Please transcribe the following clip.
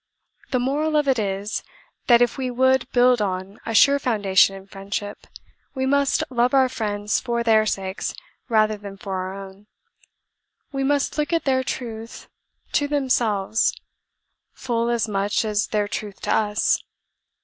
The moral of it is, that if we would build on a sure foundation in friendship, we must love our friends for THEIR sakes rather than for OUR OWN; we must look at their truth to THEMSELVES, full as much as their truth to US.